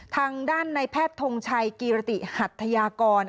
ทางด้านในแพทย์ทงชัยกีรติหัทยากร